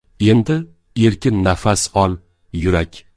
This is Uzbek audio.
Endi erkin nafas ol, yurak